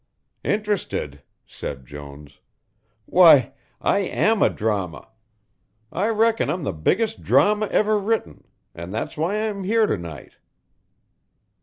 "Interested!" said Jones. "Why, I am a drama. I reckon I'm the biggest drama ever written, and that's why I am here to night."